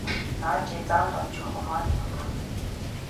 За чи замд авч явах юмаа төхөөр!